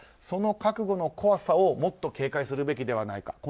その覚悟の怖さをもっと警戒するべきではないか。